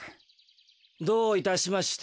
どういたしまして。